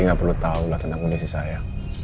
riki gak perlu tahu lah tentang kondisi saya